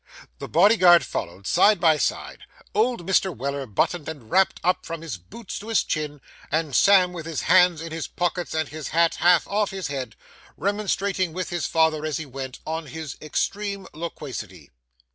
The bodyguard followed, side by side; old Mr. Weller buttoned and wrapped up from his boots to his chin; and Sam with his hands in his pockets and his hat half off his head, remonstrating with his father, as he went, on his extreme loquacity.